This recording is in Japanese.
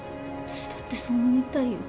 私だってそう思いたいよ。